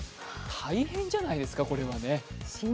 大変じゃないですか、これはね。